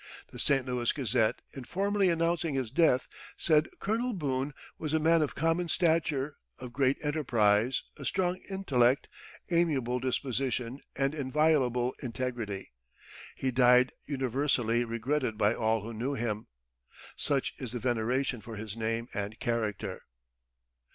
The St. Louis Gazette, in formally announcing his death, said: "Colonel Boone was a man of common stature, of great enterprise, strong intellect, amiable disposition, and inviolable integrity he died universally regretted by all who knew him.... Such is the veneration for his name and character."